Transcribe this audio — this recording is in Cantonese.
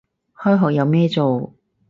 開學有咩做